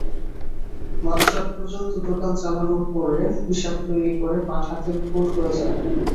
মাঝরাত পর্যন্ত দোকান চালানোর পরে হিসাব তৈরি করে পাঠাতে ভোর হয়ে যাবে।